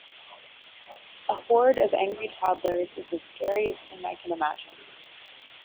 A horde of angry toddlers is the scariest thing I can imagine.